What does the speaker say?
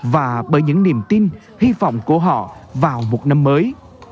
và bởi những niềm tin hy vọng của họ vào một năm mới